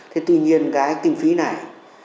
thế tuy nhiên cái kinh phí này